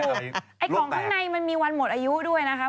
ไอ้ของข้างในมันมีวันหมดอายุด้วยนะคะ